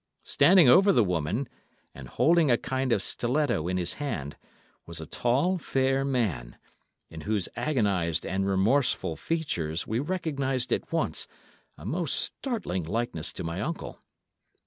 Standing over the woman, and holding a kind of stiletto in his hand, was a tall, fair man, in whose agonised and remorseful features we recognised at once a most startling likeness to my uncle.